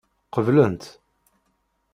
Qeblent.